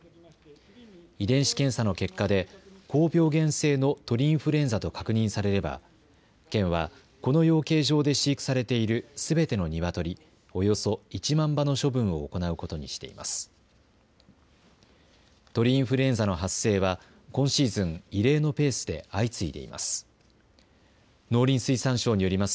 遺伝子検査の結果で高病原性の鳥インフルエンザと確認されれば、県はこの養鶏場で飼育されているすべてのニワトリ、およそ１万羽の処分を行うことにしています。